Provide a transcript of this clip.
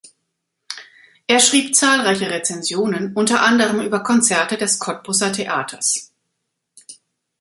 Er schrieb zahlreiche Rezensionen, unter anderem über Konzerte des Cottbuser Theaters.